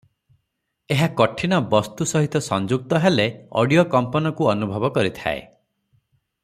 ଏହା କଠିନ ବସ୍ତୁ ସହ ସଂଯୁକ୍ତ ହେଲେ ଅଡିଓ କମ୍ପନକୁ ଅନୁଭବ କରିଥାଏ ।